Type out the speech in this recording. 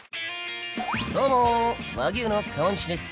どうも和牛の川西です。